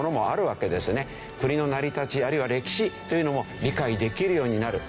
国の成り立ちあるいは歴史というのも理解できるようになる。